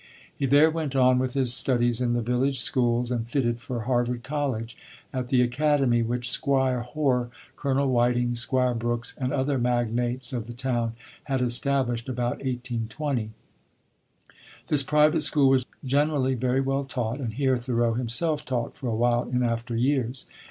He there went on with his studies in the village schools, and fitted for Harvard College at the "Academy," which 'Squire Hoar, Colonel Whiting, 'Squire Brooks, and other magnates of the town had established about 1820. This private school was generally very well taught, and here Thoreau himself taught for a while in after years.